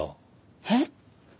えっ？